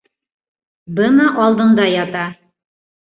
Бына алдында ята!